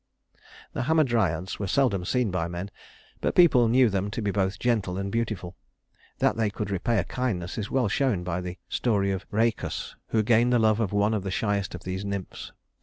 The Hamadryads were seldom seen by men, but people knew them to be both gentle and beautiful. That they could repay a kindness is well shown by the story of Rhœcus, who gained the love of one of the shyest of these nymphs.